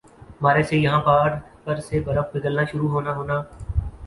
مارچ سے یَہاں پہاڑ پر سے برف پگھلنا شروع ہونا ہونا